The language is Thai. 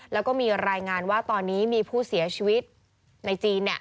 แล้วก็มีรายงานว่าตอนนี้มีผู้เสียชีวิตในจีน